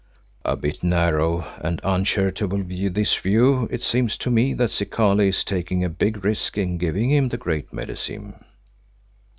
[A bit narrow and uncharitable, this view. It seems to me that Zikali is taking a big risk in giving him the Great Medicine.